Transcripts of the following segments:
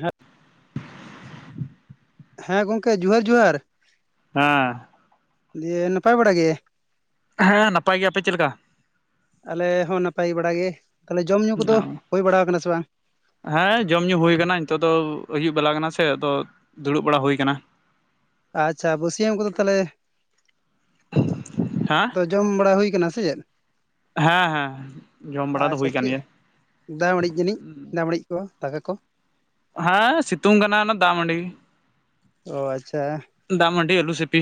ᱦᱮᱜ ᱦᱮᱸ, ᱜᱚᱝᱠᱮ ᱡᱚᱦᱟᱨ ᱡᱚᱦᱟᱨ ᱾ ᱦᱮᱸ ᱾ ᱫᱤᱭᱮ ᱱᱟᱯᱟᱭ ᱵᱟᱲᱟ ᱜᱮ? ᱦᱮᱸ ᱱᱟᱯᱟᱭ ᱜᱮ, ᱟᱯᱮ ᱪᱮᱫ ᱞᱮᱠᱟ? ᱟᱞᱮ ᱦᱚᱸ ᱱᱟᱯᱟᱭ ᱵᱟᱲᱟ ᱜᱮ, ᱛᱟᱞᱦᱮ ᱡᱚᱢᱼᱧᱩ ᱠᱚᱫᱚ ᱦᱩᱭ ᱵᱟᱲᱟ ᱟᱠᱟᱱᱟ ᱥᱮ ᱵᱟᱝ? ᱦᱮᱸ ᱡᱚᱢ ᱧᱩ ᱦᱩᱭᱩ ᱟᱠᱟᱱᱟ, ᱱᱤᱛᱳᱜ ᱫᱚ ᱟᱹᱭᱩᱵ ᱵᱮᱞᱟ ᱠᱟᱱᱟ ᱥᱮ ᱟᱫᱚ ᱫᱩᱲᱩᱵ ᱵᱟᱲᱟ ᱦᱩᱭ ᱟᱠᱟᱱᱟ ᱾ ᱟᱪᱪᱷᱟ ᱵᱟᱹᱥᱭᱟᱹᱢ ᱠᱚᱫᱚ ᱛᱟᱦᱚᱞᱮ ᱦᱮᱸ ᱟᱫᱚ ᱡᱚᱢ ᱵᱟᱲᱟ ᱦᱩᱭ ᱟᱠᱟᱱᱟ ᱥᱮ ᱪᱮᱫ? ᱦᱮᱸ ᱦᱮᱸ, ᱡᱚᱢ ᱵᱟᱲᱟ ᱫᱚ ᱟᱪᱪᱷᱟ ᱦᱩᱭ ᱠᱟᱱ ᱪᱮᱫ ᱜᱮᱭᱟ ᱾ ᱫᱟᱜ ᱢᱟᱹᱲᱤᱡ ᱡᱟᱹᱱᱤᱡ, ᱫᱟᱜ ᱢᱟᱹᱲᱤᱡ ᱠᱚ ᱫᱟᱠᱟ ᱠᱚ ᱾ ᱦᱮᱸ ᱥᱤᱛᱩᱝ ᱠᱟᱱᱟ ᱚᱱᱟ ᱫᱟᱜ ᱢᱟᱹᱰᱤ ᱜᱤ ᱾ ᱚ ᱟᱪᱪᱷᱟ ᱾ ᱫᱟᱜ ᱢᱟᱹᱰᱤ ᱟᱹᱞᱩ ᱥᱤᱯᱤ,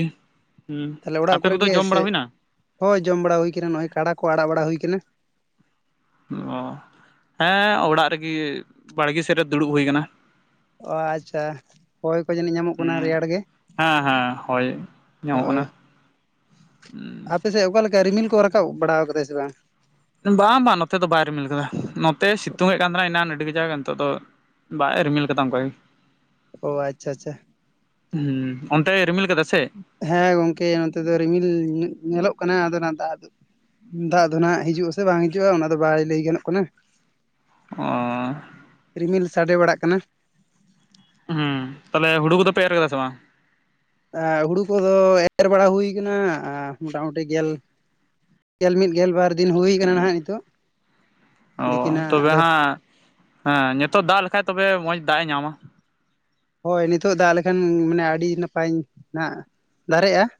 ᱦᱩᱸ, ᱛᱟᱦᱚᱞᱮ ᱚᱲᱟᱜ ᱟᱯᱮ ᱠᱚᱨᱮ ᱠᱚᱫᱚ ᱜᱮ ᱡᱚᱢ ᱵᱟᱲᱟ ᱥᱮ ᱦᱩᱭᱮᱱᱟ? ᱦᱳᱭ ᱡᱚᱢ ᱵᱟᱲᱟ ᱦᱩᱭ ᱟᱠᱟᱱᱟ, ᱱᱚᱜ-ᱚᱭ ᱠᱟᱰᱟ ᱠᱚ ᱟᱲᱟᱜ ᱵᱟᱲᱟ ᱦᱩᱭ ᱟᱠᱟᱱᱟ ᱾ ᱚ, ᱦᱮᱸ ᱚᱲᱟᱜ ᱨᱮᱜᱮ ᱵᱟᱲᱜᱮ ᱥᱮᱫ ᱨᱮ ᱫᱩᱲᱩᱵ ᱦᱩᱭ ᱟᱠᱟᱱᱟ ᱾ ᱚ ᱟᱪᱪᱷᱟ, ᱦᱚᱭ ᱠᱚ ᱡᱟᱹᱱᱤᱡ ᱧᱟᱢᱚᱜ ᱠᱟᱱᱟ ᱦᱩᱸ ᱨᱮᱭᱟᱲ ᱜᱮ ᱾ ᱦᱮᱸ ᱦᱮᱸ ᱦᱚᱭ ᱧᱟᱢᱚᱜ ᱠᱟᱱᱟ ᱾ ᱟᱯᱮᱥᱮᱫ ᱚᱠᱟ ᱞᱮᱠᱟ ᱨᱤᱢᱤᱞ ᱠᱚ ᱨᱟᱠᱟᱵ ᱵᱟᱲᱟ ᱟᱠᱟᱫᱟ ᱥᱮ ᱵᱟᱝ? ᱵᱟᱝ ᱵᱟᱝ ᱱᱚᱛᱮ ᱫᱚ ᱵᱟᱭ ᱨᱤᱢᱤᱞ ᱠᱟᱫᱟ᱾ ᱱᱚᱛᱮ ᱥᱤᱛᱩᱝ ᱮᱫ ᱠᱟᱱ ᱛᱟᱦᱮᱱᱟ ᱮᱱᱟᱱ ᱟᱹᱰᱤ ᱠᱟᱡᱟᱠ ᱱᱤᱛᱚᱜ ᱫᱚ ᱵᱟᱭ ᱨᱤᱢᱤᱞ ᱠᱟᱫᱟ ᱚᱱᱠᱟ ᱜᱮ ᱳ ᱟᱪᱪᱷᱟ ᱟᱪᱪᱷᱟ ᱦᱩᱸ ᱚᱱᱛᱮ ᱨᱤᱢᱤᱞ ᱠᱟᱫᱟ ᱥᱮ? ᱦᱮᱸ ᱜᱚᱝᱠᱮ ᱱᱚᱛᱮ ᱫᱚ ᱨᱤᱢᱤᱞ ᱧᱮᱞᱚᱜ ᱠᱟᱱᱟ ᱟᱫᱚ ᱱᱟᱸᱜ ᱫᱟᱜ ᱫᱟᱜ ᱫᱚ ᱱᱟᱦᱟᱜ ᱦᱤᱡᱩᱜ ᱟᱥᱮ ᱵᱟᱝ ᱦᱤᱡᱩᱜᱼᱟ ᱚᱱᱟ ᱫᱚ ᱵᱟᱭ ᱞᱟᱹᱭ ᱜᱟᱱᱚᱜ ᱠᱟᱱᱟ ᱾ ᱚ ᱨᱤᱢᱤᱞ ᱥᱟᱰᱮ ᱵᱟᱲᱟᱜ ᱠᱟᱱᱟ᱾ ᱦᱩᱸ ᱛᱟᱦᱞᱮ ᱦᱩᱲᱩ ᱠᱚᱫᱚ ᱯᱮ ᱮᱨ ᱠᱟᱫᱟ ᱥᱮ ᱵᱟᱝ? ᱦᱩᱲᱩ ᱠᱚᱫᱚ ᱮᱨ ᱵᱟᱲᱟ ᱦᱩᱭ ᱠᱟᱱᱟ, ᱟᱨ ᱢᱚᱴᱟᱢᱩᱴᱤ ᱜᱮᱞ ᱜᱮᱞ ᱢᱤᱫ ᱜᱮᱞ ᱵᱟᱨ ᱫᱤᱱ ᱦᱩᱭ ᱠᱟᱱᱟ ᱱᱟᱦᱟᱜ ᱱᱤᱛᱚᱜ᱾ ᱚ ᱫᱤᱠᱷᱤ ᱱᱟᱜ ᱛᱚᱵᱮ ᱟᱫᱚ ᱦᱟᱸᱜ ᱱᱤᱛᱚᱜ ᱫᱟᱜ ᱞᱮᱠᱷᱟᱡ ᱛᱚᱵᱮ ᱢᱚᱡᱽ ᱫᱟᱜ ᱮ ᱧᱟᱢᱟ ᱾ ᱦᱳᱭ ᱱᱤᱛᱚᱜ ᱫᱟᱜ ᱞᱮᱠᱷᱟᱱ ᱢᱟᱱᱮ ᱟᱹᱰᱤ ᱱᱟᱯᱟᱭ ᱱᱟᱦᱟᱜ ᱫᱟᱨᱮᱜᱼᱟ ᱾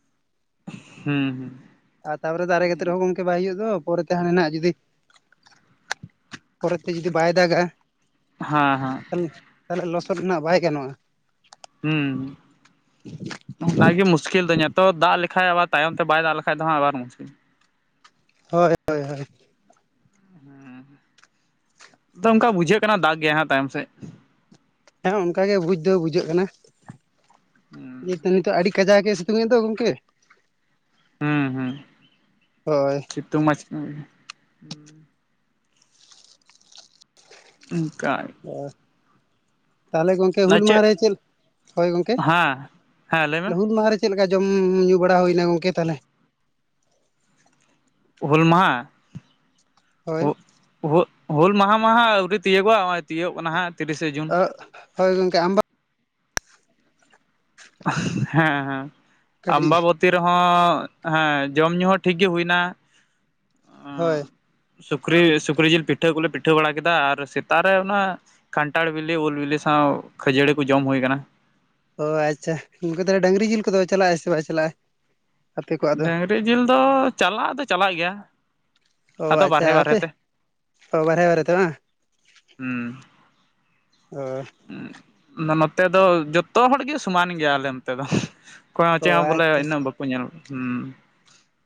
ᱦᱩᱸᱢ ᱟᱨ ᱛᱟᱨᱯᱚᱨᱮ ᱫᱟᱨᱮ ᱠᱟᱛᱮᱫ ᱨᱮᱦᱚᱸ ᱜᱚᱢᱠᱮ ᱵᱟᱭ ᱦᱩᱭᱩᱜ ᱫᱚ, ᱯᱚᱨᱮᱛᱮ ᱦᱟᱸᱰᱮ ᱱᱟᱜ ᱡᱩᱫᱤ ᱯᱚᱨᱮᱛᱮ ᱡᱩᱫᱤ ᱵᱟᱭ ᱫᱟᱜᱟ ᱦᱟᱸ ᱦᱟᱸ ᱛᱟᱦᱚᱞᱮ ᱛᱟᱦᱚᱞᱮ ᱞᱚᱥᱚᱫ ᱨᱮᱱᱟᱜ ᱵᱟᱭ ᱜᱟᱱᱚᱜᱼᱟ ᱾ ᱦᱩᱸ ᱱᱚᱜ-ᱱᱚᱣᱟ ᱜᱮ ᱢᱩᱥᱠᱤᱞ ᱫᱚ, ᱧᱮᱛᱚᱜ ᱫᱟᱜ ᱞᱮᱠᱷᱟᱡ ᱟᱵᱟᱨ ᱛᱟᱭᱚᱢ ᱛᱮ ᱵᱟᱭ ᱫᱟᱜ ᱞᱮᱠᱷᱟᱡ ᱫᱚ ᱦᱟᱸᱜ ᱟᱵᱟᱨ ᱢᱩᱥᱠᱤᱞ ᱾ ᱦᱳᱭ ᱦᱳᱭ ᱦᱳᱭ ᱛᱚ ᱚᱱᱠᱟ ᱵᱩᱡᱷᱟᱹᱜ ᱠᱟᱱᱟ ᱫᱟᱜ ᱜᱮᱭᱟ ᱦᱟᱸᱜ ᱛᱟᱭᱚᱢ ᱥᱮᱫ ᱾ ᱦᱮᱸ ᱚᱱᱠᱟ ᱜᱮ ᱵᱩᱡ ᱫᱚ ᱵᱩᱡᱷᱟᱹᱜ ᱠᱟᱱᱟ, ᱡᱮ ᱱᱤᱛᱚᱜ ᱟᱹᱰᱤ ᱠᱟᱡᱟᱠᱮ ᱥᱤᱛᱩᱝ ᱮᱫ ᱫᱚ ᱜᱚᱝᱠᱮ, ᱦᱩᱸ ᱦᱩᱸ ᱦᱳᱭ ᱥᱤᱛᱩᱝ ᱢᱟᱭ ᱥᱤᱛᱩᱝ ᱚᱱᱠᱟ ᱚ ᱛᱟᱦᱚᱞᱮ ᱜᱚᱝᱠ ᱦᱩᱞ ᱢᱟᱦᱟᱨᱮ ᱪᱮᱫ ᱦᱳᱭ ᱜᱚᱝᱠᱮ, ᱦᱮᱸ ᱦᱮᱸ ᱞᱟᱹᱭ ᱢᱮ ᱦᱩᱞ ᱢᱟᱦᱟ ᱨᱮ ᱪᱮᱫ ᱞᱮᱠᱟ ᱡᱚᱢ ᱧᱩ ᱵᱟᱲᱟ ᱦᱩᱭᱱᱟ ᱜᱚᱝᱠᱮ ᱛᱟᱦᱚᱞᱮ? ᱦᱩᱞ ᱢᱟᱦᱟ ᱦᱳᱭ ᱦᱳᱹᱜ ᱦᱩᱞ ᱢᱟᱦᱟ ᱢᱟ ᱦᱟᱸᱜ ᱟᱹᱣᱨᱤ ᱛᱤᱭᱟᱹᱜᱚ-ᱟ, ᱦᱚᱸᱜᱼᱚᱭ ᱛᱤᱭᱳᱜ ᱠᱟᱱᱟ ᱦᱟᱸᱜ ᱛᱤᱨᱤᱥᱮ ᱡᱩᱱ ᱾ ᱦᱳᱭ ᱜᱚᱝᱠᱮ ᱟᱢ ᱦᱮᱸ ᱦᱮᱸ ᱠᱟᱹᱴᱤᱡ ᱟᱢᱵᱟᱵᱚᱛ ᱛᱤ ᱨᱮᱦᱚᱸ ᱦᱮᱸ ᱡᱚᱢ ᱧᱩ ᱦᱚᱸ ᱴᱷᱤᱠ ᱜᱮ ᱦᱩᱭᱱᱟ ᱾ ᱦᱳᱭ ᱥᱩᱠᱨᱤ ᱥᱩᱠᱨᱤ ᱡᱤᱞ ᱯᱤᱴᱷᱟᱹ ᱠᱚᱞᱮ ᱯᱤᱴᱷᱟᱹ ᱵᱟᱲᱟ ᱠᱮᱫᱟ, ᱟᱨ ᱥᱮᱛᱟᱜ ᱨᱮ ᱚᱱᱟ ᱠᱷᱟᱱᱴᱷᱟᱲ ᱵᱮᱞᱮ ᱩᱞ ᱵᱤᱞᱤ ᱥᱟᱶ ᱠᱷᱟᱹᱡᱟᱹᱲᱤ ᱠᱚ ᱡᱚᱢ ᱦᱩᱭ ᱠᱟᱱᱟ᱾ ᱚ ᱟᱪᱪᱷᱟ, ᱩᱱᱠᱟ ᱛᱟᱦᱚᱞᱮ ᱰᱟᱹᱝᱨᱤ ᱡᱤᱞ ᱠᱚᱫᱚ ᱪᱟᱞᱟᱜᱼᱟ ᱥᱮ ᱵᱟᱭ ᱪᱟᱞᱟᱜᱼᱟ? ᱟᱯᱮ ᱠᱚᱣᱟᱜ ᱫᱚ ᱰᱟᱝᱨᱤ ᱡᱤᱞ ᱫᱚ ᱪᱟᱞᱟᱜ ᱟ ᱫᱚ ᱪᱟᱞᱟᱜ ᱜᱮᱭᱟ᱾ ᱚ ᱟᱫᱚ ᱟᱪᱪᱷᱟ, ᱵᱟᱨᱦᱮ ᱵᱟᱨᱦᱮ ᱟᱯᱮ ᱛᱮ ᱚ ᱵᱟᱨᱦᱮᱸ ᱵᱟᱨᱮᱛᱮ ᱵᱟᱝ᱾ ᱦᱩᱸ ᱚ ᱱᱚᱛᱮ ᱫᱚ ᱡᱚᱛᱚ ᱦᱚᱲᱜᱮ ᱥᱚᱢᱟᱱ ᱜᱮᱭᱟᱞᱮ ᱱᱚᱛᱮ ᱫᱚ᱾ ᱚᱠᱚᱭ ᱦᱚᱸ ᱚ ᱪᱮᱸᱜ ᱦᱚᱸ ᱵᱚᱞᱮ ᱟᱪᱪᱷᱟ ᱤᱱᱟᱹᱜ ᱵᱟᱠᱚ ᱧᱮᱞ ᱩᱸ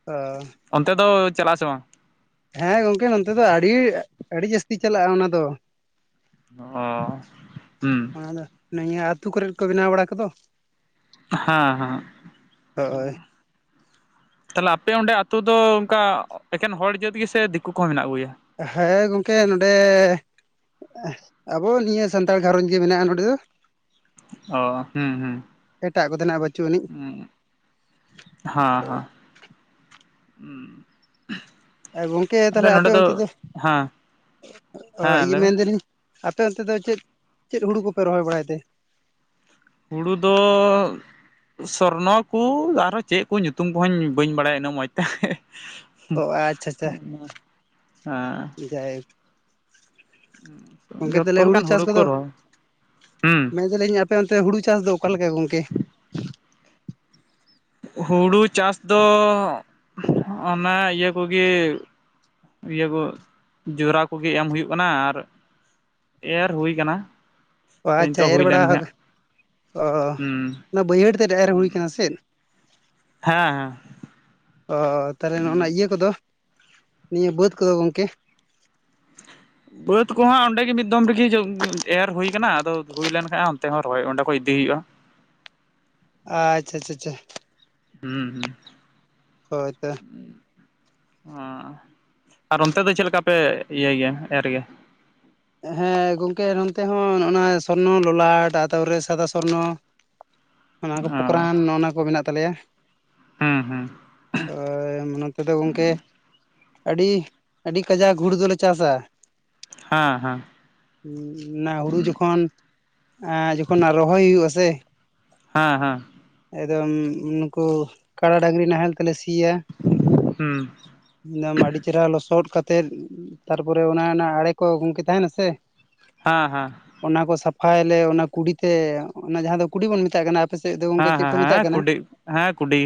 ᱟ ᱚᱱᱛᱮ ᱫᱚ ᱪᱟᱞᱟᱜ-ᱟ ᱥᱮ ᱵᱟᱝ? ᱦᱮᱸ ᱜᱚᱝᱠᱮ ᱱᱚᱛᱮ ᱫᱚ ᱟᱹᱰᱤ, ᱟᱹᱰᱤ ᱡᱟᱹᱥᱛᱤ ᱪᱟᱞᱟᱜᱼᱟ ᱚᱱᱟ ᱫᱚ᱾ ᱚ ᱦᱩᱸ ᱚᱱᱟᱫᱚ ᱱᱤᱭᱟᱹ ᱟᱹᱛᱩ ᱠᱚᱨᱮ ᱠᱚ ᱵᱮᱱᱟᱣ ᱵᱟᱲᱟ ᱠᱚᱫᱚ᱾ ᱦᱟᱸ ᱦᱟᱸ ᱦᱳᱭ ᱛᱟᱦᱞᱮ ᱟᱯᱮ ᱚᱸᱰᱮ ᱟᱛᱳ ᱫᱚ ᱚᱱᱠᱟ ᱮᱠᱮᱱ ᱦᱚᱲ ᱡᱟᱹᱛ ᱜᱮᱥᱮ ᱫᱤᱠᱩ ᱠᱚᱦᱚᱸ ᱢᱮᱱᱟᱜ ᱠᱚ ᱜᱮᱭᱟ? ᱦᱮᱸ ᱜᱚᱝᱠᱮ ᱱᱚᱰᱮᱼᱼ ᱟᱵᱚ ᱱᱤᱭᱟᱹ ᱥᱟᱱᱛᱟᱲ ᱜᱷᱟᱨᱚᱧᱡᱽ ᱜᱮ ᱢᱮᱱᱟᱜ-ᱟ ᱱᱚᱸᱰᱮ ᱫᱚ᱾ ᱚ ᱦᱩᱸ ᱦᱩᱸ ᱮᱴᱟᱜ ᱠᱚᱫᱚ ᱱᱟᱜ ᱵᱟᱹᱪᱩᱜ ᱟᱹᱱᱤᱡ ᱦᱟᱸ ᱦᱟᱸ ᱮ ᱜᱚᱝᱠᱮ ᱛᱟᱦᱞᱮ ᱟᱯᱮ ᱚᱱᱛᱮ ᱫᱚ ᱦᱮᱸ ᱤᱭᱟᱹ ᱞᱟᱹᱭ ᱢᱮ ᱢᱮᱱᱫᱟᱞᱤᱧᱼᱼ ᱟᱯᱮ ᱚᱱᱛᱮ ᱫᱚ ᱪᱮᱫ ᱪᱮᱫ ᱦᱩᱲᱩ ᱠᱚᱯᱮ ᱨᱚᱦᱚᱭ ᱵᱟᱲᱟᱭ ᱛᱮ? ᱦᱩᱲᱩ ᱫᱚᱼᱼ ᱥᱚᱨᱱᱚ ᱠᱩ ᱟᱨᱦᱚᱸ ᱪᱮᱫ ᱠᱚ ᱧᱩᱛᱩᱢ ᱠᱚᱦᱚᱧ ᱵᱟᱹᱧ ᱵᱟᱲᱟᱭᱟ ᱤᱱᱟᱹᱜ ᱢᱚᱸᱡᱽ ᱛᱮ᱾ ᱦᱟᱸ ᱚ ᱟᱪᱪᱷᱟ ᱡᱟᱭ [unintelligible] ᱜᱚᱝᱠᱮ ᱛᱟᱦᱞᱮ ᱦᱩᱲᱩ ᱞᱮᱠᱟᱱ ᱪᱟᱥ ᱠᱚ ᱠᱚᱫᱚ ᱨᱚᱦᱚᱭ ᱦᱩᱸ ᱢᱮᱱᱫᱟᱞᱤᱧ ᱟᱯᱮ ᱚᱱᱛᱮ ᱦᱩᱲᱩ ᱪᱟᱥ ᱫᱚ ᱚᱠᱟᱞᱮ ᱞᱮᱠᱟ ᱜᱚᱝᱠᱮ? ᱦᱩᱲᱩ ᱪᱟᱥ ᱫᱚ ᱚᱱᱟ ᱤᱭᱟᱹ ᱠᱚᱜᱮᱼᱼ ᱤᱭᱟᱹ ᱠᱚ ᱡᱚᱨᱟ ᱠᱚᱜᱮ ᱮᱢ ᱦᱩᱭᱩᱜ ᱠᱟᱱᱟ ᱟᱨᱼᱼ ᱮᱨ ᱦᱩᱭ ᱠᱟᱱᱟ᱾ ᱚ ᱟᱪᱪᱷᱟ ᱱᱤᱛᱚᱜ ᱮᱨ ᱦᱩᱭ ᱵᱟᱲᱟ ᱞᱮᱱ ᱜᱮ ᱚ ᱦᱟᱸᱜ ᱚᱱᱟ ᱵᱟᱹᱭᱦᱟᱹᱲ ᱛᱮᱫ ᱮᱨ ᱦᱩᱸ ᱦᱩᱭ ᱠᱟᱱᱟ ᱥᱮᱫ ᱦᱮᱸ ᱚ ᱛᱟᱦᱞᱮ ᱱᱚᱜᱚ ᱦᱮᱸ ᱱᱟ ᱤᱭᱟᱹ ᱠᱚᱫᱚ ᱱᱤᱭᱟᱹ ᱵᱟᱹᱫ ᱠᱚᱫᱚ ᱜᱚᱝᱠᱮ [inaudible] ᱵᱟᱹᱫᱽ ᱠᱚᱦᱟᱜ ᱚᱸᱰᱮ ᱜᱮ ᱢᱤᱫ ᱫᱚᱢ ᱨᱮᱜᱤ ᱮᱨ ᱦᱩᱭ ᱠᱟᱱᱟ ᱟᱫᱚ ᱦᱩᱭ ᱞᱮᱱ ᱠᱷᱟᱡ ᱚᱱᱛᱮ ᱦᱚᱸ ᱨᱚᱦᱚᱭ ᱚᱸᱰᱮ ᱠᱷᱚᱭ ᱤᱫᱤ ᱦᱩᱭᱩᱜ-ᱟ᱾ ᱟ ᱪᱟ ᱪᱟ ᱪᱟ ᱦᱩᱢ ᱦᱩ ᱦᱳᱭ ᱛᱚ ᱚ ᱟᱨ ᱚᱱᱛᱮ ᱫᱚ ᱪᱮᱫ ᱞᱮᱠᱟ ᱯᱮ ᱤᱭᱟᱹᱭ ᱜᱮᱭᱟ ᱮᱨ ᱜᱮᱭᱟ? ᱦᱮᱸ ᱜᱚᱝᱠᱮ ᱱᱚᱱᱛᱮ ᱦᱚᱸ ᱱᱚᱜᱚ ᱱᱚᱣᱟ ᱥᱚᱨᱱᱚ ᱞᱚᱞᱟᱴ ᱛᱟᱯᱚᱨᱮ ᱥᱟᱫᱟ ᱥᱚᱨᱱᱚᱼᱼ ᱚᱱᱟ ᱠᱚ ᱚ ᱯᱚᱠᱨᱟᱱ ᱱᱚᱜᱚ ᱱᱟ ᱠᱚ ᱢᱮᱱᱟᱜ ᱛᱟᱞᱮᱭᱟ᱾ ᱦᱩᱸ ᱦᱩᱸ ᱱᱚᱛᱮ ᱫᱚ ᱜᱚᱝᱠᱮ ᱟᱹᱰᱤ ᱟᱹᱰᱤ ᱠᱟᱡᱟᱠ ᱦᱩᱲᱩ ᱫᱚᱞᱮ ᱪᱟᱥᱟ ᱦᱟᱸ ᱦᱟᱸ ᱚᱱᱟ ᱦᱩᱲᱩ ᱡᱚᱠᱷᱚᱱ ᱡᱚᱠᱷᱚᱱ ᱨᱚᱦᱚᱭ ᱦᱩᱭᱩᱜ-ᱟ ᱥᱮ ᱦᱟᱸ ᱦᱟᱸ ᱮᱠᱫᱚᱢ ᱱᱩᱠᱩ ᱠᱟᱲᱟ ᱰᱟᱹᱝᱨᱤ ᱱᱟᱦᱮᱞ ᱛᱮᱞᱮ ᱥᱤᱭᱟ᱾ ᱦᱩᱸ ᱮᱠᱫᱚᱢ ᱟᱹᱰᱤ ᱪᱮᱨᱦᱟ ᱞᱚᱥᱚᱫ ᱠᱟᱛᱮᱫ ᱛᱟᱨᱯᱚᱨᱮ ᱚᱱᱟ ᱚᱱᱟ ᱟᱲᱮᱼᱼ ᱠᱚ ᱜᱚᱝᱠᱮ ᱛᱟᱦᱮᱱᱟ ᱥᱮ ᱦᱟᱸ ᱦᱟᱸ ᱚᱱᱟ ᱠᱚ ᱥᱟᱯᱷᱟᱭᱞᱮ ᱚᱱᱟ ᱠᱩᱰᱤᱛᱮ ᱚᱱᱟ ᱡᱟᱦᱟᱸ ᱫᱚ ᱠᱩᱰᱤ ᱵᱚᱱ ᱢᱮᱛᱟᱜ ᱠᱟᱱᱟᱼᱼ ᱟᱯᱮ ᱥᱮᱫ ᱫᱚ ᱜᱚᱝᱠᱮ ᱦᱮᱸ ᱪᱮᱫ ᱠᱚ ᱦᱮᱸ ᱢᱮᱛᱟᱜ ᱦᱮᱸ ᱠᱟᱱᱟ? ᱠᱩᱰᱤ ᱦᱮᱸ ᱠᱩᱰᱤ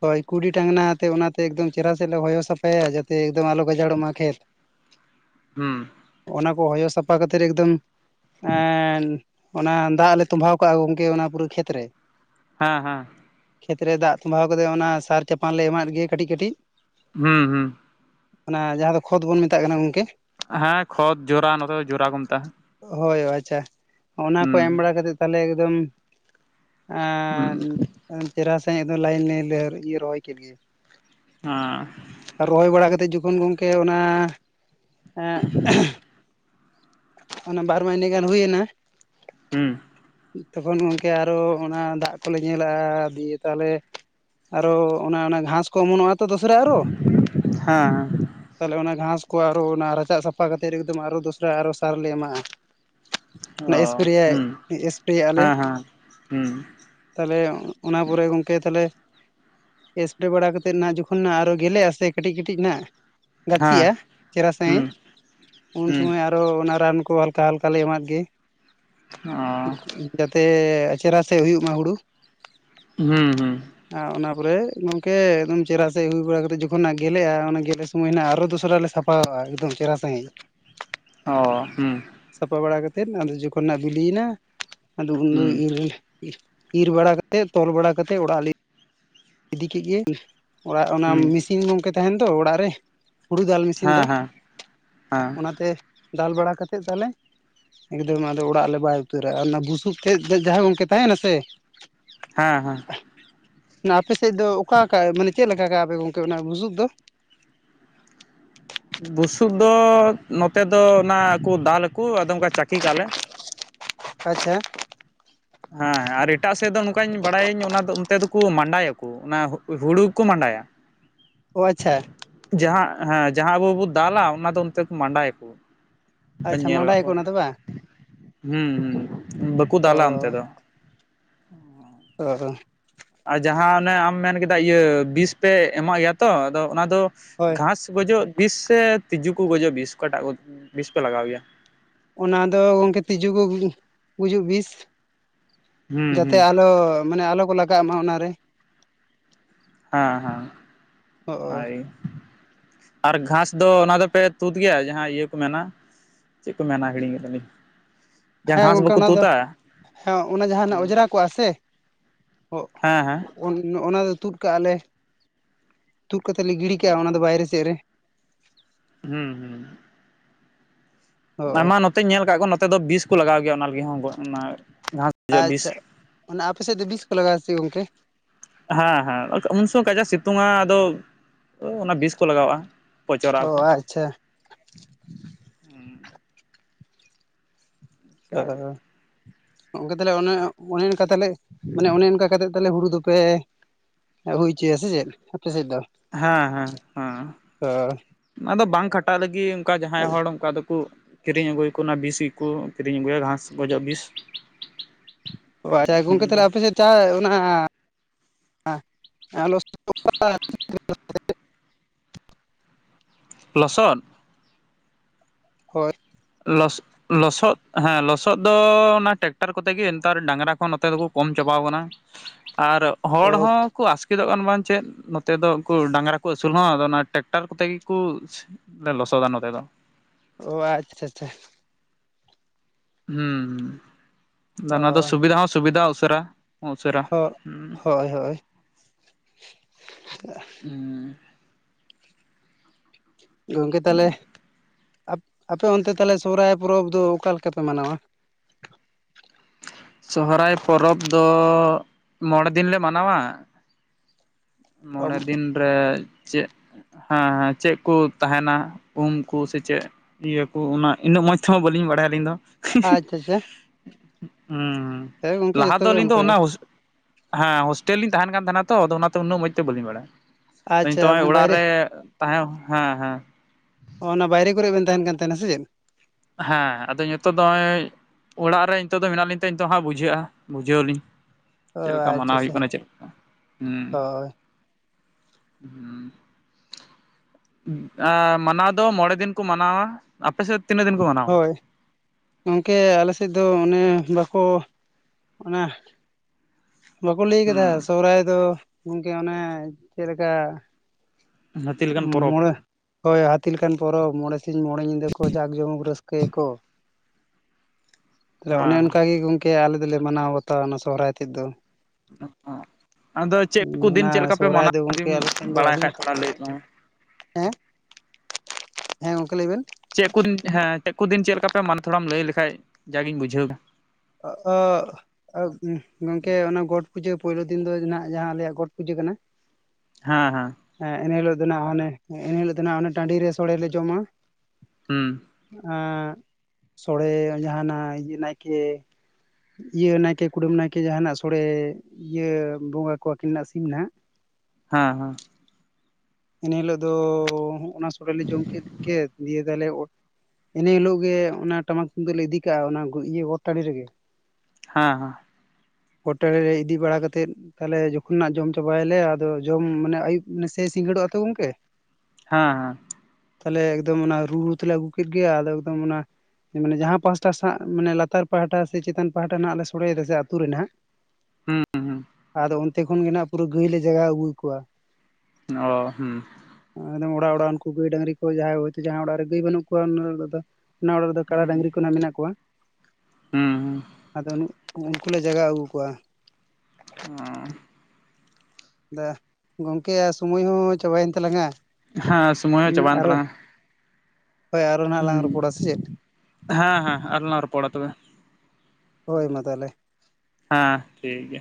ᱦᱳᱭ ᱠᱩᱰᱤ ᱴᱟᱝᱱᱟ ᱦᱟᱛᱮ ᱚᱱᱟᱛᱮ ᱮᱠᱫᱚᱢ ᱪᱮᱨᱦᱟ ᱥᱟᱦᱤᱡ ᱞᱮ ᱦᱚᱭᱚ ᱥᱟᱯᱟᱭᱟ ᱡᱟᱛᱮ ᱮᱠᱫᱚᱢ ᱟᱞᱚ ᱜᱟᱡᱟᱲᱚᱜ ᱢᱟ ᱠᱷᱮᱛᱼᱼ ᱦᱩᱢ ᱚᱱᱟ ᱠᱚ ᱦᱚᱭᱚ ᱥᱟᱯᱟ ᱠᱟᱛᱮᱫ ᱮᱠᱫᱚᱢ ᱮᱼᱼ ᱚᱱᱟ ᱫᱟᱜ ᱞᱮ ᱛᱚᱢᱵᱷᱟᱣ ᱠᱟᱜ-ᱟ ᱜᱚᱝᱠᱮ ᱚᱱᱟ ᱯᱩᱨᱟᱹ ᱠᱷᱮᱛ ᱨᱮ ᱦᱮᱸ ᱦᱮᱸ ᱠᱷᱮᱛ ᱨᱮ ᱫᱟᱜ ᱛᱚᱸᱵᱟᱣ ᱠᱟᱛᱮᱜ ᱚᱱᱟ ᱥᱟᱨ ᱪᱟᱯᱟᱱ ᱞᱮ ᱮᱢᱟᱫ ᱜᱮ ᱠᱟᱹᱴᱤᱡ ᱠᱟᱹᱴᱤᱡ ᱦᱩᱸ ᱦᱩᱸ ᱚᱱᱟ ᱡᱟᱦᱟᱸ ᱫᱚ ᱠᱷᱚᱫ ᱵᱚᱱ ᱢᱮᱛᱟᱜ ᱠᱟᱱᱟ ᱜᱚᱝᱠᱮ ᱦᱮᱸ ᱠᱷᱚᱫ, ᱡᱚᱨᱟ ᱱᱚᱛᱮ ᱫᱚ ᱡᱚᱨᱟ ᱠᱚ ᱢᱮᱛᱟᱜ-ᱟ᱾ ᱦᱳᱭ ᱟᱪᱪᱷᱟ ᱚᱱᱟ ᱠᱚ ᱮᱢ ᱵᱟᱲᱟ ᱠᱟᱛᱮᱫ ᱛᱟᱦᱞᱮ ᱮᱠᱫᱚᱢ ᱦᱩᱸ ᱦᱮᱸ ᱮ ᱪᱮᱨᱦᱟ ᱥᱟᱦᱤᱡ ᱮᱫ ᱞᱟᱭᱤᱱ ᱞᱟᱭᱤᱱ ᱞᱮ ᱨᱚᱦᱚᱭ ᱠᱮᱫ ᱜᱮ, ᱦᱟᱸ ᱟᱨ ᱨᱚᱦᱚᱭ ᱵᱟᱲᱟ ᱠᱟᱛᱮᱫ ᱡᱚᱠᱷᱚᱱ ᱜᱚᱢᱠᱮ ᱚᱱᱟ ᱚᱱᱟ ᱵᱟᱨ ᱢᱟᱦᱱᱟᱹ ᱜᱟᱱ ᱦᱩᱭ ᱮᱱᱟ, ᱦᱮᱸ ᱛᱚᱠᱷᱚᱱ ᱜᱚᱝᱠᱮ ᱟᱨᱚ ᱚᱱᱟ ᱫᱟᱜ ᱠᱚᱞᱮ ᱧᱮᱞ ᱟᱼᱟ, ᱫᱤᱭᱮ ᱛᱟᱦᱚᱞᱮ ᱟᱨᱚ ᱚᱱᱟ ᱚᱱᱟ ᱜᱷᱟᱥ ᱠᱚ ᱚᱢᱚᱱᱚᱜᱼᱟ ᱛᱚ ᱫᱚᱥᱨᱟ ᱟᱨᱚ, ᱦᱮᱸ ᱦᱮᱸ ᱛᱟᱦᱞᱮ ᱚᱱᱟ ᱜᱷᱟᱥ ᱠᱚ ᱟᱨᱚ ᱚᱱᱟ ᱨᱟᱡᱟᱜ ᱥᱟᱯᱷᱟ ᱠᱟᱛᱫ ᱮᱠᱫᱚᱢ ᱟᱨᱚ ᱫᱚᱥᱨᱟ ᱟᱨᱚ ᱥᱟᱨ ᱞᱮ ᱮᱢᱟᱜᱼᱟ᱾ ᱚᱱᱮ ᱚ ᱮᱥᱯᱨᱮᱭᱟᱭ ᱦᱩᱸ ᱮᱥᱯᱨᱮᱭᱟᱜᱼᱟ ᱞᱮ᱾ ᱦᱮᱸ ᱦᱮᱸ ᱦᱩᱸ ᱛᱟᱦᱚᱞᱮ ᱚᱱᱟ ᱯᱚᱨᱮ ᱜᱚᱝᱠᱮ ᱛᱟᱦᱚᱞᱮ ᱮᱥᱯᱨᱮ ᱵᱟᱲᱟ ᱠᱟᱛᱮᱱ ᱦᱟᱜ ᱡᱚᱠᱷᱚᱱ ᱦᱟᱜ ᱟᱨᱚ ᱜᱮᱞᱮᱜ-ᱟ ᱥᱮ ᱠᱟᱹᱴᱤᱡ ᱠᱟᱹᱴᱤᱡ ᱱᱟᱜ, ᱦᱮᱸ ᱜᱟᱹᱪᱷᱤᱜᱼᱟ ᱪᱮᱨᱦᱟ ᱥᱟᱺᱦᱤᱡ ᱦᱩᱸ ᱩᱱ ᱦᱩᱸ ᱥᱚᱢᱚᱭ ᱟᱨᱚ ᱚᱱᱟ ᱨᱟᱱ ᱠᱚ ᱦᱟᱞᱠᱟ ᱦᱟᱞᱠᱟ ᱞᱮ ᱮᱢᱟᱫ ᱜᱮ, ᱚ ᱡᱟᱛᱮ ᱪᱮᱨᱦᱟ ᱥᱟᱦᱤᱫ ᱦᱩᱭᱩᱜ ᱢᱟ ᱦᱩᱲᱩ᱾ ᱦᱩᱸ ᱦᱩᱸ ᱟᱨ ᱚᱱᱟ ᱯᱚᱨᱮ ᱜᱚᱝᱠᱮ ᱮᱠᱫᱚᱢ ᱪᱮᱨᱦᱟ ᱥᱟᱦᱤᱡ ᱦᱩᱭ ᱵᱟᱲᱟ ᱠᱟᱛᱮ ᱡᱚᱠᱷᱚᱱᱟᱜ ᱜᱮᱞᱮᱜᱼᱟ ᱚᱱᱟ ᱜᱮᱞᱮ ᱥᱚᱢᱚᱭ ᱦᱱᱟᱜ ᱟᱨᱚ ᱫᱚᱥᱨᱟ ᱞᱮ ᱥᱟᱯᱷᱟᱟᱜ ᱦᱳᱭ ᱮᱠᱫᱚᱢ ᱪᱮᱦᱨᱟ ᱥᱟᱺᱦᱤᱡ᱾ ᱚ ᱦᱩᱢ ᱥᱟᱯᱷᱟ ᱵᱟᱲᱟ ᱠᱟᱛᱮᱫ ᱟᱫᱚ ᱡᱚᱠᱷᱚᱱ ᱦᱟᱜ ᱵᱤᱞᱤᱭᱮᱱᱟ ᱟᱫᱚ ᱩᱱᱫᱚ ᱦᱩᱸ ᱤᱨ ᱤᱨ ᱵᱟᱲᱟ ᱠᱟᱛᱮᱫ ᱛᱚᱞ ᱵᱟᱲᱟ ᱠᱟᱛᱮ ᱚᱲᱟᱜ ᱞᱮ ᱤᱫᱤ ᱠᱮᱫ ᱜᱮ, ᱚᱲᱟᱜ ᱚᱱᱟ ᱦᱩᱸ ᱢᱤᱥᱤᱱ ᱜᱚᱢᱠᱮ ᱛᱟᱦᱮᱱ ᱫᱚ ᱚᱲᱟᱜ ᱨᱮ, ᱦᱩᱲᱩ ᱫᱟᱞ ᱢᱮᱥᱤᱱ ᱦᱮᱸ ᱫᱚ ᱦᱮᱸ ᱦᱮᱸ ᱚᱱᱟᱛᱮ ᱫᱟᱞ ᱵᱟᱲᱟ ᱠᱟ ᱠᱟᱛᱮᱫ ᱛᱟᱞᱦᱮ ᱮᱠᱫᱚᱢ ᱟᱫᱚ ᱚᱲᱟᱜ ᱨᱮ ᱞᱮ ᱵᱟᱭ ᱩᱛᱟᱹᱨᱟ, ᱟᱨ ᱚᱱᱟ ᱵᱩᱥᱩᱵ ᱛᱮᱫ ᱡᱟᱦᱟᱸ ᱜᱚᱝᱠᱮ ᱛᱟᱦᱮᱱᱟ ᱥᱮ ᱦᱮᱸ ᱦᱮᱸ ᱚᱱᱟ ᱟᱯᱮ ᱥᱮᱫ ᱫᱚ ᱚᱠᱟᱠᱟ ᱢᱟᱱᱮ ᱪᱮᱫ ᱞᱮᱠᱟ ᱠᱟᱜ ᱟᱯᱮ ᱜᱚᱝᱠᱮ ᱚᱱᱟ ᱵᱩᱥᱩᱵ ᱫᱚ? ᱵᱩᱥᱩᱵ ᱫᱚ ᱱᱚᱛᱮ ᱫᱚ ᱚᱱᱟ ᱠᱩ ᱫᱟᱞᱟᱠᱩ ᱟᱫᱚ ᱚᱱᱠᱟ ᱪᱟᱹᱠᱤ ᱠᱟᱜ-ᱟᱞᱮ, ᱟᱪᱪᱷᱟ ᱦᱮᱸ ᱟᱨ ᱮᱴᱟᱜ ᱥᱮᱫ ᱫᱚ ᱱᱚᱝᱠᱟᱧ ᱵᱟᱲᱟᱭᱟᱹᱧ ᱚᱱᱟ ᱫᱚ ᱚᱱᱛᱮ ᱫᱚ ᱠᱩ ᱢᱟᱸᱰᱟᱭᱟ ᱠᱩ ᱚᱱᱟ ᱦᱩᱲᱩ ᱠᱩ ᱢᱟᱸᱰᱟᱭᱟ᱾ ᱚ ᱟᱪᱪᱷᱟ ᱡᱟᱦᱟᱸ ᱦᱮᱸ ᱡᱟᱦᱟᱸ ᱟᱵᱚ ᱵᱚ ᱫᱟᱞᱟ ᱚᱱᱟ ᱫᱚ ᱚᱱᱛᱮ ᱢᱟᱸᱰᱟᱭᱟ ᱠᱩ ᱚᱱᱠᱟᱧ ᱟᱪᱪᱷᱟ ᱧᱮᱞ ᱠᱟᱜ ᱢᱟᱰᱟᱭᱟᱠᱚ ᱠᱚᱣᱟ ᱚᱱᱟ ᱫᱚ ᱵᱟᱝ ᱾ ᱦᱩᱸ ᱦᱩᱸ ᱵᱟᱠᱩ ᱚ ᱫᱟᱞᱟ ᱚᱱᱛᱮ ᱫᱚ [unintelligible] ᱟᱨ ᱡᱟᱦᱟᱸ ᱚᱱᱮ ᱟᱢ ᱢᱮᱱ ᱠᱮᱫᱟ ᱤᱭᱟᱹ ᱵᱤᱥ ᱯᱮ ᱮᱢᱟᱜ ᱜᱮᱭᱟ ᱛᱚ, ᱟᱫᱚ ᱚᱱᱟ ᱫᱚ ᱦᱳᱭ ᱜᱷᱟᱥ ᱜᱚᱡᱚᱜ ᱵᱤᱥ ᱥᱮ ᱛᱤᱡᱩ ᱠᱚ ᱜᱚᱡᱚᱜ ᱵᱤᱥ ᱚᱠᱟᱴᱟᱜ ᱵᱤᱥ ᱯᱮ ᱞᱟᱜᱟᱣ ᱜᱮᱭᱟ? ᱚᱱᱟ ᱫᱚ ᱜᱚᱝᱠᱮ ᱛᱤᱡᱩ ᱠᱚ ᱜᱩ ᱜᱩᱡᱩᱜ ᱵᱤᱥ᱾ ᱦᱩᱸ ᱡᱟᱛᱮ ᱦᱩᱸ ᱟᱞᱚ ᱢᱟᱱᱮ ᱟᱞᱚ ᱠᱚ ᱞᱟᱜᱟᱜ ᱢᱟ ᱚᱱᱟ ᱨᱮ᱾ ᱦᱮᱸ ᱦᱳᱭ ᱦᱮᱸ [inaudible] ᱟᱨ ᱜᱷᱟᱸᱥ ᱫᱚ ᱚᱱᱟ ᱫᱚᱯᱮ ᱛᱩᱫ ᱜᱮᱭᱟ ᱡᱟᱸᱦᱟ ᱤᱭᱟᱹ ᱠᱚ ᱢᱮᱱᱟ᱾ ᱪᱮᱫ ᱠᱚ ᱢᱮᱱᱟ ᱦᱤᱲᱤᱧ ᱮᱫ ᱟᱞᱤᱧ, ᱦᱮᱸ ᱜᱚᱝᱠᱮ ᱚᱱᱟ ᱫᱚ ᱦᱮᱸ ᱚᱱᱟ ᱡᱟᱦᱟᱱᱟᱜ ᱚᱸᱡᱽᱨᱟ ᱠᱚᱜᱼᱟ ᱥᱮ ᱦᱮᱸ ᱦᱮᱸ᱾ ᱚᱱ ᱚᱱᱟ ᱫᱚ ᱛᱩᱫ ᱠᱟᱜᱼᱟ ᱞᱮ ᱛᱩᱫ ᱠᱟᱛᱮ ᱞᱮ ᱜᱤᱰᱤ ᱚ ᱠᱟᱜᱼᱟ ᱚᱱᱟ ᱫᱚ ᱵᱟᱭᱨᱮ ᱥᱮᱫ ᱨᱮ, ᱦᱩᱸ ᱦᱩᱸ ᱦᱳᱭ ᱟᱭᱢᱟ ᱱᱚᱛᱮᱧ ᱧᱮᱞ ᱟᱠᱟᱫ ᱠᱚᱣᱟ ᱱᱚᱛᱮ ᱫᱚ ᱵᱤᱥ ᱠᱚ ᱞᱟᱜᱟᱣ ᱜᱮᱭᱟ ᱚᱱᱟ ᱞᱟᱹᱜᱤᱫ ᱦᱚᱸ ᱚᱱᱟ ᱡᱟᱦᱟᱸ ᱵᱤᱥ᱾ ᱟᱪᱪᱷᱟ ᱚᱱᱟ ᱟᱯᱮ ᱥᱮᱫ ᱫᱚ ᱵᱤᱥ ᱠᱚ ᱞᱟᱜᱟᱣᱟ ᱪᱮ ᱜᱚᱝᱠᱮ? ᱦᱮᱸ ᱦᱮᱸ ᱩᱱ ᱥᱚᱢᱚᱭ ᱠᱟᱡᱟᱠ ᱥᱤᱛᱩᱝᱼᱟ ᱟᱫᱚ ᱚᱱᱟ ᱵᱤᱥ ᱠᱚ ᱞᱟᱜᱟᱣᱼᱟ᱾ ᱚ ᱟᱪᱪᱷᱟ᱾ [unintelligible] [unintelligible] ᱜᱚᱝᱠᱮ ᱛᱟᱞᱮ ᱚᱱᱮ ᱚᱱᱮ ᱚᱱᱠᱟ ᱛᱟᱞᱮ ᱢᱟᱱᱮ ᱚᱱᱮ ᱚᱱᱠᱟ ᱠᱟᱛᱮᱜ ᱛᱟᱦᱚᱞᱮ ᱦᱩᱲᱩ ᱫᱚᱯᱮ ᱟᱹᱜᱩ ᱚᱪᱚᱭᱟ ᱥᱮ ᱪᱮᱫ ᱟᱯᱮ ᱥᱮᱫ ᱫᱚ? ᱦᱟᱸ ᱦᱟᱸ ᱦᱟᱸ ᱟᱫᱚ ᱵᱟᱝ ᱠᱷᱟᱴᱟᱜ ᱞᱟᱹᱜᱤᱱ ᱚᱸᱠᱟ ᱡᱟᱦᱟᱸᱭ ᱦᱚᱲ ᱚᱱᱠᱟ ᱫᱩᱠᱩᱜ ᱠᱤᱨᱤᱧ ᱟᱹᱜᱩᱭᱟᱠᱚ ᱚᱱᱟ ᱵᱤᱥᱤ ᱠᱚ ᱠᱤᱨᱤᱧ ᱟᱹᱜᱩᱭᱟ ᱜᱷᱟᱸᱥ ᱜᱚᱡᱚᱜ ᱵᱤᱥ᱾ ᱚ ᱟᱪᱪᱷᱟ ᱦᱩᱸ ᱜᱚᱝᱠᱮ ᱛᱟᱦᱚᱞᱮ ᱟᱯᱮᱥᱮᱫ ᱪᱟᱭ ᱚᱱᱟᱻᱱᱟ [unintelligible] [unintelligible] ᱞᱚᱥᱚᱫ, ᱦᱳᱭ! ᱞᱚᱥᱚ- ᱞᱚᱥᱚᱫ ᱦᱮᱸ ᱞᱚᱥᱚᱫ ᱫᱚ ᱚᱱᱟ ᱴᱮᱠᱴᱟᱨ ᱠᱚᱛᱮ ᱜᱮ ᱱᱮᱛᱟᱨ ᱰᱟᱺᱜᱽᱨᱟ ᱠᱚ ᱱᱚᱛᱮ ᱫᱚᱠᱚ ᱠᱚᱢ ᱪᱟᱵᱟᱣᱟᱠᱟᱱᱟ᱾ ᱟᱨ ᱦᱚᱲ ᱚ ᱦᱚᱸ ᱠᱚ ᱟᱥᱠᱮᱛᱚᱜ ᱠᱟᱱ ᱵᱟᱝ ᱪᱮᱫ ᱱᱚᱛᱮ ᱫᱚ ᱩᱸᱠᱩ ᱰᱟᱺᱜᱽᱨᱟ ᱠᱚ ᱟᱹᱥᱩᱞ ᱦᱚᱸ ᱟᱫᱚ ᱚᱱᱟ ᱴᱮᱠᱴᱟᱨ ᱠᱚᱛᱮ ᱜᱮᱠᱩ ᱪ- ᱞᱮ ᱞᱚᱥᱚᱫᱟ ᱱᱚᱛᱮ ᱫᱚ᱾ ᱚ ᱟᱪᱪᱷᱟ ᱟᱪᱪᱷᱟ᱾ ᱦᱩᱸ ᱦᱩᱸ ᱱᱟ ᱟᱫᱚ ᱚ ᱥᱩᱵᱤᱫᱟ ᱦᱚᱸ ᱥᱩᱵᱤᱫᱟ ᱩᱥᱟᱹᱨᱟ᱾ ᱩᱥᱟᱨᱟ ᱦᱚ ᱦᱩᱸ [inaudible] ᱦᱳᱭ ᱦᱳᱭ ᱦᱩᱸ, ᱜᱚᱝᱠᱮ ᱛᱟᱦᱮᱞᱮ, ᱟᱯ ᱟᱯᱮ ᱚᱱᱛᱮ ᱛᱟᱦᱮᱞᱮ ᱥᱚᱦᱚᱨᱟᱭ ᱯᱚᱨᱚᱵᱽ ᱫᱚ ᱚᱠᱟ ᱞᱮᱠᱟ ᱯᱮ ᱢᱟᱱᱟᱣᱟ? ᱥᱚᱦᱚᱨᱟᱭ ᱯᱚᱨᱚᱵᱽ ᱫᱚ ᱢᱚᱬᱮ ᱫᱤᱱ ᱞᱮ ᱢᱟᱱᱟᱣᱟ, ᱢᱚᱬᱮ ᱫᱤᱱ ᱨᱮ ᱪᱮᱫ, ᱦᱮᱸ ᱦᱮᱸ ᱪᱮᱫ ᱠᱚ ᱛᱟᱦᱮᱸᱱᱟ ᱩᱢ ᱠᱚ ᱥᱮ ᱪᱮᱫ? ᱤᱭᱟᱹ ᱠᱚ, ᱚᱱᱟ ᱤᱱᱟᱹᱜ ᱢᱚᱸᱡᱽ ᱛᱮᱦᱚᱸ ᱵᱟᱹᱞᱤᱧ ᱵᱟᱰᱟᱭᱟ ᱟᱹᱞᱤᱧ ᱫᱚ? ᱟᱪ ᱪᱷᱟ ᱪᱷᱟ᱾ ᱩᱦᱩᱸ, ᱞᱟᱦᱟ ᱡᱚᱛᱚ ᱫᱚ ᱜᱮ ᱟᱹᱞᱤᱧ ᱫᱚ ᱚᱱᱠᱟ ᱚᱱᱟ ᱜᱮ ᱦᱩᱥᱩᱜ- ᱦᱮᱸ ᱦᱳᱥᱴᱮᱞᱤᱧ ᱛᱟᱦᱮᱸᱱ ᱠᱟᱱ ᱛᱟᱦᱮᱱᱟ ᱛᱚ, ᱟᱫᱚ ᱚᱱᱟᱛᱚ ᱩᱱᱟᱹᱜ ᱢᱚᱸᱡᱽ ᱛᱮ ᱵᱟᱹᱞᱤᱧ ᱵᱟᱲᱟᱭᱟ᱾ ᱟᱪᱪᱷᱟ ᱟᱻᱧᱤᱛᱚᱜ ᱚᱭ ᱢᱟᱱᱮ ᱚᱲᱟᱜ ᱵᱟᱭᱨᱮ ᱨᱮ ᱛᱟᱦᱮᱸ ᱦᱮᱸ ᱦᱮᱸ ᱚ ᱚᱱᱟ ᱵᱟᱭᱨᱮ ᱠᱚᱨᱮ ᱵᱮᱱ ᱛᱟᱦᱮᱸᱱ ᱠᱟᱱ ᱛᱟᱦᱮᱸᱱᱟ ᱥᱮ ᱪᱮᱫ? ᱦᱮᱸ ᱟᱫᱚ ᱧᱤᱛᱚᱜ ᱫᱚ ᱚᱸᱭ ᱚᱲᱟᱜ ᱨᱮ ᱧᱤᱛᱚᱜ ᱫᱚ ᱢᱮᱱᱟᱜ ᱞᱤᱧ ᱛᱮ ᱱᱤᱛᱚᱜ ᱦᱟᱜ ᱵᱩᱡᱷᱟᱹᱜᱼᱟ, ᱵᱩᱡᱷᱟᱹᱣᱟᱹᱞᱤᱧ᱾ ᱚ ᱪᱮᱫ ᱞᱮᱠᱟ ᱢᱟᱱᱟᱣ ᱟᱪᱪᱷᱟ ᱟᱪᱪᱷᱟ ᱦᱩᱭᱩᱜ ᱠᱟᱱᱟ ᱪᱮᱫ, ᱦᱩᱸ ᱦᱳᱭ [inaudible] ᱦᱩᱸ᱾ ᱟᱸ ᱢᱟᱱᱟᱣ ᱫᱚ ᱢᱚᱬᱮ ᱫᱤᱱ ᱠᱚ ᱢᱟᱱᱟᱣᱟ, ᱟᱯᱮ ᱥᱮᱫ ᱫᱚ ᱛᱤᱱᱟᱹᱜ ᱫᱤᱱ ᱠᱚ ᱢᱟᱱᱟᱣᱟ? ᱦᱳᱭ ᱜᱚᱝᱠᱮ ᱟᱞᱮᱥᱮᱫ ᱫᱚ ᱚᱱᱮ ᱵᱟᱠᱚ ᱚᱱᱟ ᱵᱟᱠᱚ ᱞᱟᱹᱭ ᱟᱠᱟᱫᱟ ᱦᱩᱸ ᱥᱚᱦᱚᱨᱟᱭ ᱫᱚ ᱜᱚᱝᱠᱮ ᱚᱱᱮ ᱪᱮᱫ ᱞᱮᱠᱟ ᱦᱟᱹᱛᱤ ᱞᱮᱠᱟᱱ ᱯᱚᱨᱚᱵᱽ ᱢᱚᱬᱮᱦ ᱦᱳᱭ ᱦᱟᱛᱤ ᱞᱮᱠᱟᱱ ᱯᱚᱨᱚᱵᱽ ᱢᱚᱬᱮ ᱥᱤᱧ ᱢᱚᱬᱮ ᱧᱤᱫᱟᱹ ᱠᱚ ᱡᱟᱠᱼ ᱡᱚᱢᱚᱠ ᱨᱟᱹᱥᱠᱟᱹᱭᱟᱠᱚ᱾ ᱛᱟᱦᱚᱞᱮ ᱚᱱᱮ ᱦᱮᱸ ᱚᱱᱠᱟ ᱜᱮ ᱜᱚᱝᱠᱮ ᱟᱞᱮ ᱫᱚᱞᱮ ᱢᱟᱱᱟᱣ ᱵᱟᱛᱟᱣᱟ ᱚᱱᱟ ᱥᱚᱦᱚᱨᱟᱭ ᱛᱮᱫ ᱫᱚ᱾ [unintelligible] ᱟᱫᱚ ᱪᱮᱫ ᱠᱚ ᱫᱤᱱ ᱚᱱᱟ ᱪᱮᱫ ᱞᱮᱠᱟ ᱯᱮ ᱥᱚᱦᱨᱟᱭ ᱢᱟᱱᱟᱣ ᱫᱚ ᱜᱚᱝᱠᱮ ᱫᱤᱢ, ᱟᱞᱮ ᱴᱷᱮᱱ ᱫᱚ ᱵᱟᱲᱟᱭ ᱟᱹᱰᱤ ᱠᱷᱟᱡ ᱛᱷᱚᱲᱟ ᱞᱟᱹᱭ ᱛᱟᱞᱟᱝ ᱢᱮ? ᱦᱮᱸ? ᱦᱮᱸ ᱜᱚᱝᱠᱮ ᱞᱟᱹᱭ ᱵᱤᱱ? ᱪᱮᱜ ᱠᱚ ᱨᱤᱱ, ᱦᱮᱸ ᱪᱮᱫ ᱠᱚ ᱫᱤᱱ ᱪᱮᱫ ᱞᱮᱠᱟ ᱯᱮ ᱢᱟᱱᱟᱣ ᱛᱷᱚᱲᱟ ᱞᱟᱹᱭ ᱞᱮᱠᱷᱟᱡ ᱡᱟᱜᱤᱧ ᱵᱩᱡᱷᱟᱹᱣ ᱮᱫᱟ᱾ ᱚᱜ ᱚᱻ ᱚᱻᱜ ᱜᱚᱝᱠᱮ ᱚᱱᱟ ᱜᱚᱴ ᱯᱩᱡᱟᱹ ᱯᱩᱭᱞᱳ ᱫᱤᱱ ᱫᱚ ᱱᱟᱦᱟᱜ ᱡᱟᱦᱟᱸ ᱟᱞᱮᱭᱟᱜ ᱜᱚᱴ ᱯᱩᱡᱟᱹ ᱠᱟᱱᱟ᱾ ᱦᱮᱸ ᱦᱮᱸ, ᱦᱮᱸ ᱤᱱᱟᱹ ᱦᱤᱞᱳᱜ ᱫᱚᱱᱟᱸᱜ ᱦᱟᱱᱮ, ᱤᱱ ᱦᱤᱞᱳᱜ ᱫᱚ ᱚᱱᱮ ᱴᱟᱺᱰᱤ ᱨᱮ ᱥᱳᱲᱮ ᱞᱮ ᱡᱚᱢᱟ, ᱦᱩᱸ᱾ ᱮᱸᱻ ᱥᱚᱲᱮ ᱡᱟᱦᱟᱸᱱᱟᱜ ᱤᱭᱟᱹ ᱱᱟᱭᱠᱮ, ᱤᱭᱟᱹ ᱱᱟᱭᱠᱮ, ᱠᱩᱰᱟᱹᱢ ᱱᱟᱭᱠᱮ ᱡᱟᱦᱟᱸᱭᱱᱟᱜ ᱥᱳᱲᱮ ᱤᱭᱟᱹ ᱵᱚᱸᱜᱟ ᱠᱚᱣᱟ ᱠᱤᱱ ᱱᱟᱜ ᱥᱤᱢ ᱱᱟᱦᱟᱜ, ᱦᱮᱸ ᱦᱩᱸ ᱤᱱᱟᱹ ᱦᱤᱞᱳᱜ ᱫᱚᱻ ᱚᱱᱟ ᱥᱚᱲᱮ ᱞᱮ ᱡᱚᱢ ᱠᱮᱫ ᱜᱮ, ᱫᱤᱭᱮ ᱫᱟᱞᱮ ᱚᱲ- ᱤᱱᱟᱹ ᱦᱤᱞᱳᱜ ᱜᱮ ᱚᱱᱟ ᱴᱟᱢᱟᱠ ᱛᱩᱢᱫᱟᱹᱜ ᱞᱮ ᱤᱫᱤ ᱠᱟᱜᱼᱟ, ᱚᱱᱟ ᱤᱭᱟᱹ ᱜᱚᱴ ᱴᱟᱺᱰᱤ ᱨᱮᱜᱮ, ᱦᱟᱸ ᱦᱟᱸ᱾ ᱜᱚᱴ ᱴᱟᱲᱤ ᱨᱮ ᱤᱫᱤ ᱵᱟᱲᱟ ᱠᱟᱛᱮᱫ ᱛᱟᱦᱞᱮ ᱡᱚᱠᱷᱚ ᱱᱟᱜ ᱡᱚᱢ ᱪᱟᱵᱟᱭᱟᱞᱮ ᱟᱫᱚ ᱡᱚᱢ ᱢᱟᱱᱮ ᱟᱹᱭᱩᱵ ᱱᱟᱥᱮ ᱥᱤᱸᱜᱟᱹᱲᱚᱜᱼᱟ ᱛᱚ ᱜᱚᱝᱠᱮ᱾ ᱦᱮᱸ ᱦᱮᱸ ᱛᱟᱦᱞᱮ ᱮᱠᱫᱚᱢ ᱚᱱᱟ ᱨᱩ ᱨᱩ ᱛᱮᱞᱮ ᱟᱹᱜᱩ ᱠᱮᱫ ᱜᱮ ᱟᱫᱚ ᱮᱠᱫᱚᱢ ᱚᱱᱟ ᱢᱟᱱᱮ ᱡᱟᱦᱟᱸ ᱯᱟᱦᱟᱴᱟ ᱥᱟᱜ ᱢᱟᱱᱮ ᱞᱟᱛᱟᱨ ᱯᱟᱦᱟᱴᱟ ᱥᱮ ᱪᱮᱛᱟᱱ ᱯᱟᱦᱟᱴᱟ ᱱᱟᱦᱟᱜ ᱞᱮ ᱥᱚᱲᱮᱭᱮᱫᱟ ᱥᱮ ᱟᱛᱳᱩ ᱨᱮ ᱱᱟᱜ [unintelligible] ᱩᱸᱻ ᱩᱜ ᱟᱫᱚ ᱚᱱᱛᱮ ᱠᱷᱚᱱ ᱜᱮ ᱱᱟᱜ ᱯᱩᱨᱟᱹ ᱜᱟᱹᱭᱞ ᱞᱮ ᱡᱟᱜᱟᱣ ᱟᱹᱜᱩ ᱠᱚᱣᱟ᱾ ᱚ ᱦᱩᱸ ᱟᱫᱚᱢ ᱚᱲᱟᱜ ᱚᱲᱟᱜ ᱩᱱᱠᱩ ᱜᱟᱹᱭ ᱰᱟᱝᱨᱤ ᱠᱚ ᱡᱟᱦᱟᱸᱭ ᱛᱚ ᱡᱟᱦᱟᱸᱭ ᱚᱲᱟᱜ ᱨᱮ ᱜᱟᱹᱭ ᱵᱟᱹᱱᱩᱜ ᱚᱱᱟ ᱟᱲᱟᱜ ᱨᱮ ᱫᱚ ᱚᱱᱟ ᱚᱲᱟᱜ ᱨᱮᱫᱚ ᱠᱟᱲᱟ ᱰᱟᱺᱝᱨᱤ ᱠᱚ ᱱᱟᱜ ᱢᱮᱱᱟᱜ ᱠᱚᱣᱟ᱾ ᱩ ᱦᱩᱸᱻ ᱟᱫᱚ ᱱᱩᱜ ᱩᱱᱠᱩᱞ ᱞᱮ ᱡᱟᱜᱟ ᱟᱹᱜᱩ ᱠᱚᱣᱟ᱾ ᱚᱸᱻᱻ ᱫᱷᱟ ᱜᱚᱢᱠᱮ ᱥᱚᱢᱚᱭ ᱦᱚᱸ ᱪᱟᱵᱟᱭᱮᱱ ᱛᱟᱞᱟᱝᱟ᱾ ᱦᱮᱸ ᱥᱚᱢᱚᱭ ᱦᱚᱸ ᱪᱟᱵᱟᱭᱮᱱ ᱟᱨᱚ ᱛᱟᱞᱟᱝᱼᱟ᱾ ᱦᱳᱭ ᱟᱨᱚ ᱦᱚᱸ ᱱᱟᱜ ᱞᱟᱝ ᱨᱯᱚᱲᱟ ᱥᱮ ᱪᱮᱫ᱾ ᱦᱮᱸ ᱦᱮᱸ ᱟᱨᱦᱚᱸ ᱞᱟᱝ ᱨᱚᱯᱚᱲᱟ ᱛᱚᱵᱮ᱾ ᱦᱳᱭ ᱢᱟ ᱛᱟᱦᱚᱞᱮ ᱦᱮᱸ ᱴᱷᱤᱠ ᱜᱮᱭᱟ᱾